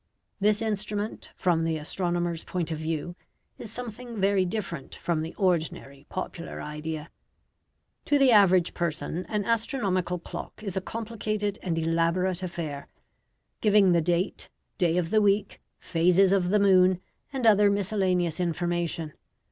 This instrument, from the astronomer's point of view, is something very different from the ordinary popular idea. To the average person an astronomical clock is a complicated and elaborate affair, giving the date, day of the week, phases of the moon, and other miscellaneous information.